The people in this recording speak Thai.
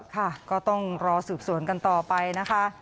ค่ะก็ต้องรอสืบสวนกันต่อไปนะคะ